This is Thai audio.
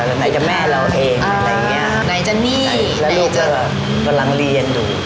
ไหนจะแม่เราเองอะไรอย่างเงี้ยไหนจะนี่แล้วลูกจะแบบกำลังเรียนอยู่